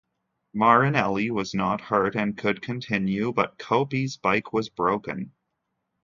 Marinelli was not hurt and could continue, but Coppi's bike was broken.